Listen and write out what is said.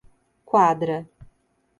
Quadra